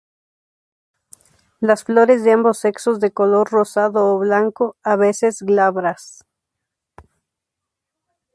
Las flores de ambos sexos de color rosado o blanco, a veces, glabras.